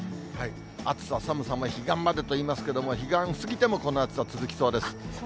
暑さ寒さも彼岸までといいますけども、彼岸過ぎてもこの暑さ続きそうです。